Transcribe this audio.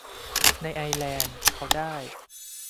ในไอซ์แลนด์เขาได้